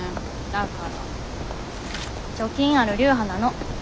だから貯金ある流派なの。